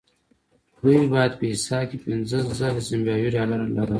دوی باید په حساب کې پنځه زره زیمبابويي ډالر لرلای.